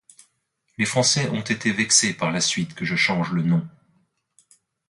Les français ont été vexés par la suite que je change le nom.